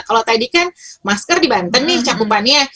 kalau tadi kan masker di banten nih cakupannya